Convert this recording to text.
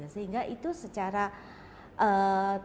sehingga itu secara tibas